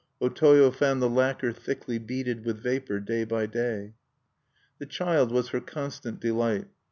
O Toyo found the lacquer thickly beaded with vapor day by day. The child was her constant delight.